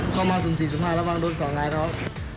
เข้ามาศูนย์๔๕แล้วบ้างโดน๒ร้านแล้ว